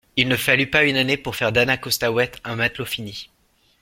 Il ne fallut pas une année pour faire d'Anna Costaouët un matelot fini.